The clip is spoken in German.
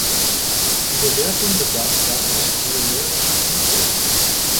Die Bewertung bedarf daher numerischer Methoden.